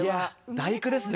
「第９」ですね！